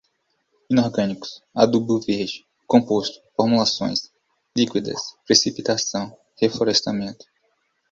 inorgânicos, adubo verde, composto, formulações, líquidas, precipitação, reflorestamento